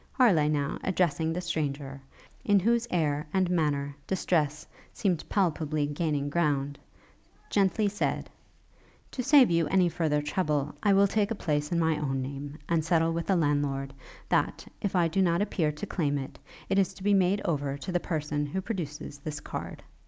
Harleigh, now, addressing the stranger, in whose air and manner distress seemed palpably gaining ground, gently said, 'To save you any further trouble, I will take a place in my own name, and settle with the landlord, that, if I do not appear to claim it, it is to be made over to the person who produces this card.